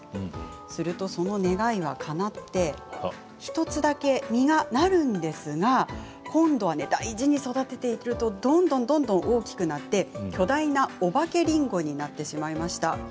すると、その願いはかなって１つだけ実がなるんですが今度は大事に育てているとどんどん大きくなって巨大な、おばけリンゴになってしまいました。